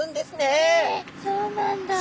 へえそうなんだ。